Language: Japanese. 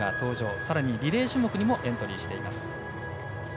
さらにリレー種目にもエントリーしています。